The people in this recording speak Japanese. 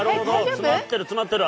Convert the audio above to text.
詰まってる詰まってる。